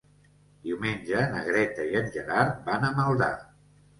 Diumenge na Greta i en Gerard van a Maldà.